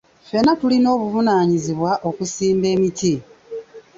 Ffenna tulina obuvunaanyizibwa okusimba emiti.